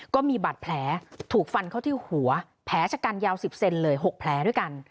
ก็มีบาดแผลถูกฟันเข้าที่หัวแผลชะกันยาว๑๐เซนเลย๖แผลด้วยกัน